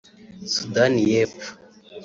Sudan y’Epfo